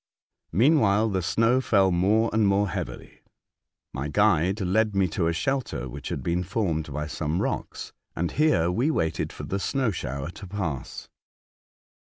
Meanwhile, the snow fell more and more heavily. My guide led me to a shelter which had been formed by some rocks, and here we waited for the snow shower to pass.